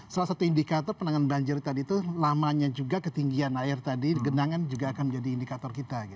salah satu indikator penanganan banjir tadi itu lamanya juga ketinggian air tadi genangan juga akan menjadi indikator kita